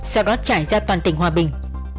sau đó trải ra toàn tỉnh hòa bình